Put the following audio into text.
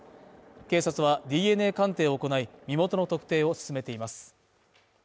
警察はＤＮＡ鑑定を行い、身元の特定を進めています。